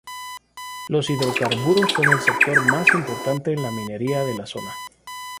Los hidrocarburos son el sector más importante en la minería de la zona.